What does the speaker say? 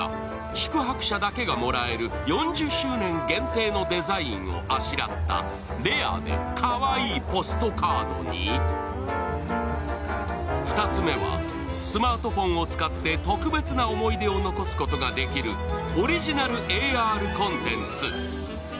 宿泊者だけがもらえる４０周年限定のデザインをあしらったレアでかわいいポストカードに２つ目はスマートフォンを使って特別な思い出を残すことができるオリジナルＡＲコンテンツ。